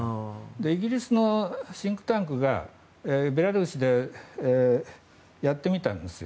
イギリスのシンクタンクがベラルーシでやってみたんです。